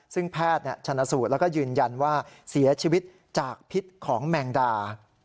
ซึ่งแพทย์ชนสูตรแล้วก็ยืนยันว่าเสียชีวิตจากพิษของแมงดา